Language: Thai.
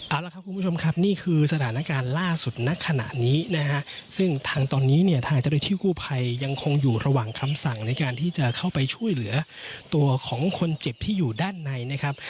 เอาละครับคุณผู้ชมครับนี่คือสถานการณ์ล่าสุดณขณะนี้นะฮะซึ่งทางตอนนี้เนี่ยทางเจ้าหน้าที่กู้ภัยยังคงอยู่ระหว่างคำสั่งในการที่จะเข้าไปช่วยเหลือตัวของคนเจ็บที่อยู่ด้านในนะครับ